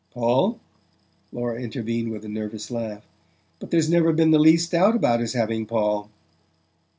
"Paul?" Laura intervened with a nervous laugh. "But there's never been the least doubt about his having Paul!"